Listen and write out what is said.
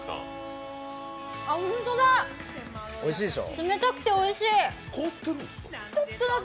本当だ、冷たくておいしい。